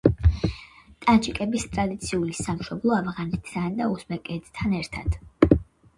ტაჯიკების ტრადიციული სამშობლო, ავღანეთთან და უზბეკეთთან ერთად.